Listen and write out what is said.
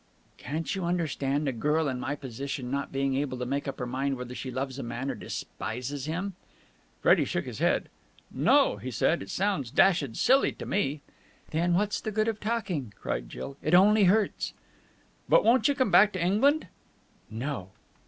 "Can't you understand a girl in my position not being able to make up her mind whether she loves a man or despises him?" Freddie shook his head. "No," he said. "It sounds dashed silly to me!" "Then what's the good of talking?" cried Jill. "It only hurts." "But won't you come back to England?" "No."